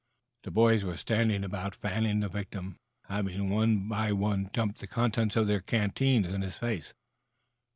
The boys were standing about fanning the victim, having one by one dumped the contents of their canteens in his face.